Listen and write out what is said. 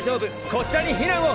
こちらに避難を！